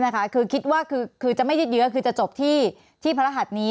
คือคิดว่าคือจะไม่ยืดเยอะคือจะจบที่พระรหัสนี้